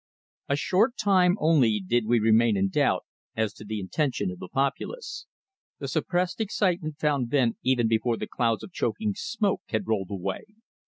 A SHORT time only did we remain in doubt as to the intention of the populace. The suppressed excitement found vent even before the clouds of choking smoke had rolled away.